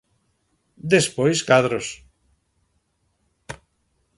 Despois cadros.